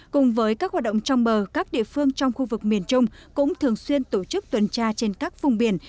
cùng với các hoạt động trong bờ các địa phương trong khu vực miền trung cũng thường xuyên tổ chức tuần tra trên các vùng biển